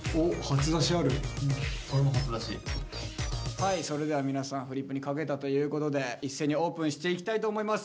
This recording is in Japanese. はいそれでは皆さんフリップに書けたということで一斉にオープンしていきたいと思います。